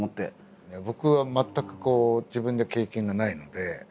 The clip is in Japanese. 僕は全くこう自分で経験がないので。